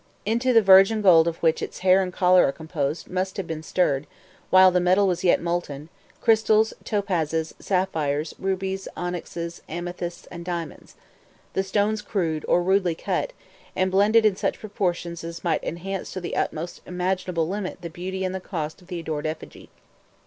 Into the virgin gold of which its hair and collar are composed must have been stirred, while the metal was yet molten, crystals, topazes, sapphires, rubies, onyxes, amethysts, and diamonds, the stones crude, or rudely cut, and blended in such proportions as might enhance to the utmost imaginable limit the beauty and the cost of the adored effigy.